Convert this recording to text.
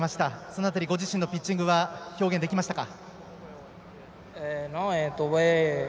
その辺り、ご自身のピッチングは表現できましたか。